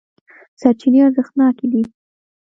سرچینې ارزښتناکې دي.